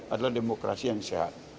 adalah demokrasi yang sehat